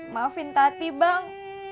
maafin tati bang